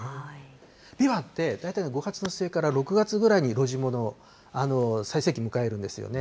ビワって大体５月の末から６月ぐらいに露地物、最盛期迎えるんですよね。